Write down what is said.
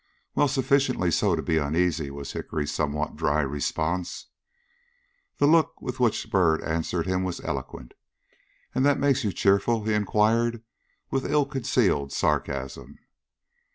"Well, sufficiently so to be uneasy," was Hickory's somewhat dry response. The look with which Byrd answered him was eloquent. "And that makes you cheerful?" he inquired, with ill concealed sarcasm.